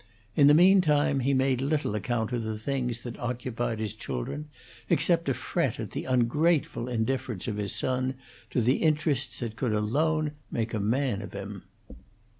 In the mean time he made little account of the things that occupied his children, except to fret at the ungrateful indifference of his son to the interests that could alone make a man of him.